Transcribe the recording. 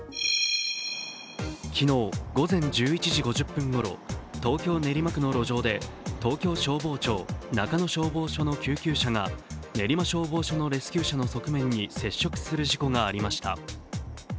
昨日午前１１時５０分頃東京・練馬区の路上で東京消防庁・中野消防署の救急車が練馬消防署のレスキュー車の側面に接触する事故がありました。